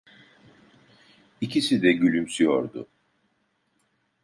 İkisi de gülümsüyordu.